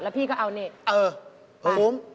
แล้วพี่ก็เอาเนทเออขอบคุณ